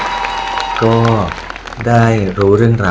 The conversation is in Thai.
แล้ววันนี้ผมมีสิ่งหนึ่งนะครับเป็นตัวแทนกำลังใจจากผมเล็กน้อยครับ